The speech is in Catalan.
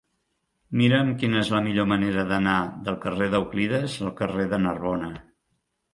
Mira'm quina és la millor manera d'anar del carrer d'Euclides al carrer de Narbona.